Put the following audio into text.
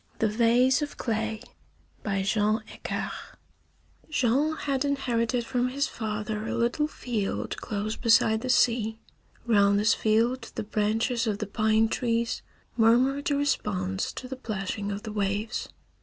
THE VASE OF CLAY BY JEAN AICARD I Jean had inherited from his father a little field close beside the sea. Round this field the branches of the pine trees murmured a response to the plashing of the waves.